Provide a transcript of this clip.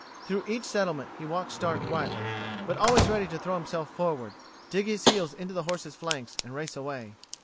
Through each settlement he walked Star quietly, but always ready to throw himself forward, dig his heels into the horse's flanks and race away.